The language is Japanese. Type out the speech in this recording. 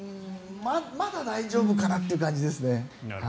まだ大丈夫かなという感じですね。